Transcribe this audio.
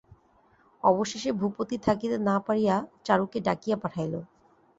অবশেষে ভূপতি থাকিতে না পারিয়া চারুকে ডাকিয়া পাঠাইল।